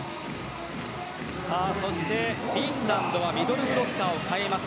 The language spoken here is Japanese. そしてフィンランドはミドルブロッカーを代えます。